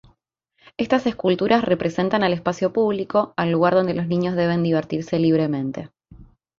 Estas esculturas representan al espacio público, al lugar donde los niños deben divertirse libremente.